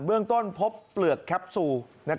เรื่องต้นพบเปลือกแคปซูล